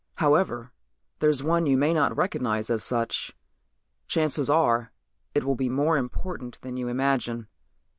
However, there's one you may not recognize as such. Chances are it will be more important than you imagine.